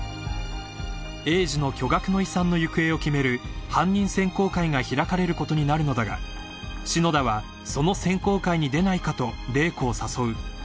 ［栄治の巨額の遺産の行方を決める犯人選考会が開かれることになるのだが篠田はその選考会に出ないかと麗子を誘う］